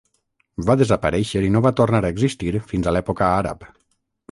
Va desaparèixer i no va tornar a existir fins a l'època àrab.